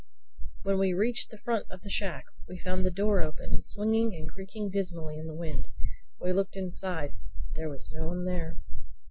When we reached the front of the shack we found the door open, swinging and creaking dismally in the wind. We looked inside. There was no one there.